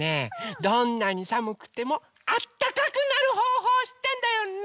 どんなにさむくてもあったかくなるほうほうをしってんだよ。ね！